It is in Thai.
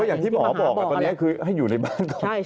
อย่างที่หมอบอกตอนนี้คือให้อยู่ในบ้านก่อน